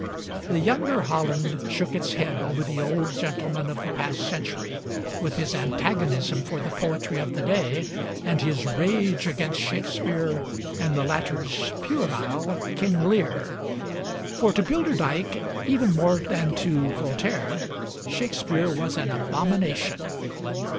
The younger Holland shook its head over the old gentleman of the past century, with his antagonism for the poetry of the day and his rage against Shakespeare and the latter's "puerile" 'King Lear.' For to Bilderdijk even more than to Voltaire, Shakespeare was an abomination.